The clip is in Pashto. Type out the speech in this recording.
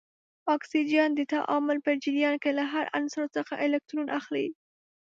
اکسیجن د تعامل په جریان کې له هر عنصر څخه الکترون اخلي.